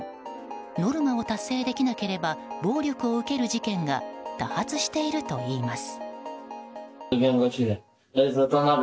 ノルマを達成できなければ暴力を受ける事件が多発しているといいます。